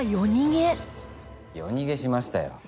夜逃げしましたよ。